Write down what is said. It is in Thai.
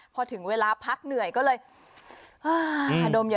พอถึงเวลาพักเหนื่อยก็เลย